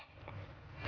saya wanita keluarga